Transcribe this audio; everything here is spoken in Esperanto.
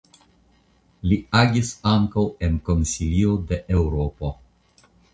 Li agis ankaŭ en Konsilio de Eŭropo.